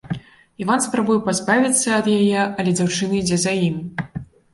Іван спрабуе пазбавіцца ад яе, але дзяўчына ідзе за ім.